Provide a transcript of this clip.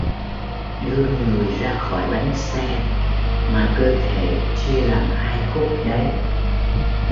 đưa người ra khỏi bánh xe mà cơ thể chia làm hai khúc đấy